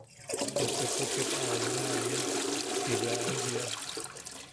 Inepo ket aa ino ania –ti bea au jiia.